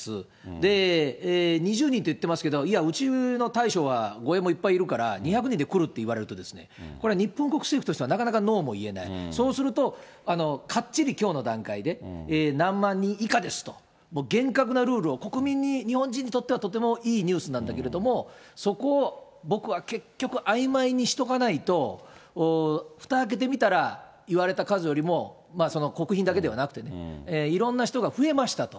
で、２０人って言ってますけど、いや、うちの大将は護衛もいっぱいいるから、２００人で来るって言われると、これ、日本国政府としてはなかなかノーも言えない、そうするとかっちりきょうの段階で、何万人以下ですと、厳格なルールを、国民に日本にとってはとてもいいニュースなんだけど、そこを僕は結局あいまいにしとかないと、ふた開けてみたら、言われた数よりも、国賓だけではなくてね、いろんな人が増えましたと。